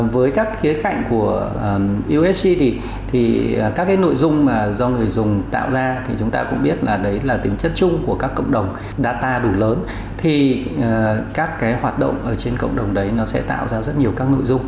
với dự báo diễn ra các cộng đồng đã tạo ra rất nhiều nội dung